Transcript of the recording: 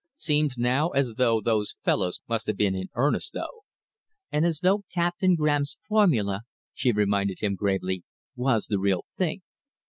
Seems now as though those fellows must have been in earnest, though." "And as though Captain Graham's formula," she reminded him gravely, "was the real thing."